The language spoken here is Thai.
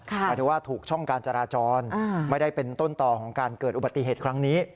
หมายถึงว่าถูกช่องการจราจรไม่ได้เป็นต้นต่อของการเกิดอุบัติเหตุครั้งนี้